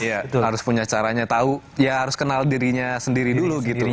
iya harus punya caranya tahu ya harus kenal dirinya sendiri dulu gitu